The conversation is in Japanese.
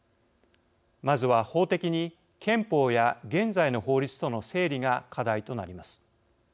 まずは法的に憲法や現在の法律との整理が課題となります。